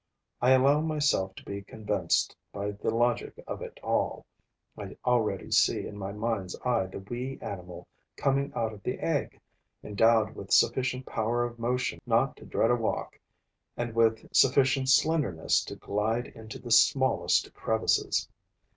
I allow myself to be convinced by the logic of it all; I already see in my mind's eye the wee animal coming out of the egg, endowed with sufficient power of motion not to dread a walk and with sufficient slenderness to glide into the smallest crevices.